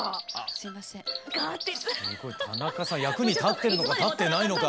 タナカさん役に立ってるのか立ってないのか。